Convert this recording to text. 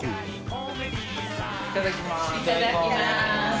いただきます。